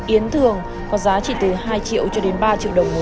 yến thường có giá chỉ từ hai triệu cho đến ba triệu đồng một trăm linh g